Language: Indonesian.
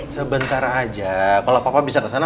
sebentar aja kalau papa bisa kesana